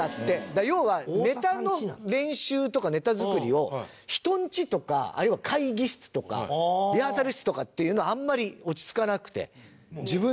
だから要はネタの練習とかネタ作りを人んちとかあるいは会議室とかリハーサル室とかっていうのあんまり落ち着かなくて自分ち。